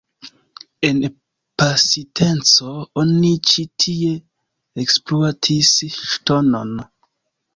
En pasinteco oni ĉi tie ekspluatis ŝtonon.